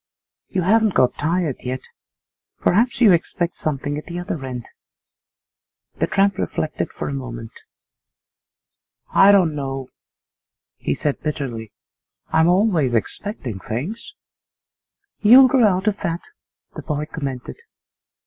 You haven't got tired yet. Perhaps you expect something at the other end?' The tramp reflected for a moment. 'I don't know,' he said bitterly, 'I'm always expecting things.' 'You'll grow out of that,' the boy commented.